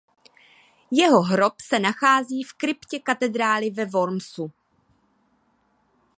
Jeho hrob se nachází v kryptě katedrály ve Wormsu.